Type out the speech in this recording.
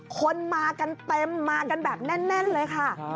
คนมากันเต็มมากันแบบแน่นเลยค่ะ